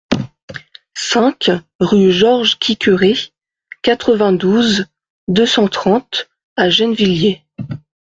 cinq rue Georges Quiqueré, quatre-vingt-douze, deux cent trente à Gennevilliers